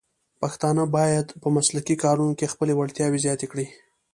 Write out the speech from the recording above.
پښتانه بايد په مسلکي کارونو کې خپلې وړتیاوې زیاتې کړي.